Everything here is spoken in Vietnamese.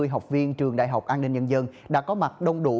hai trăm năm mươi học viên trường đại học an ninh nhân dân đã có mặt đông đủ